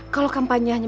kalau kampanye hanya